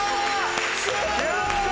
やった！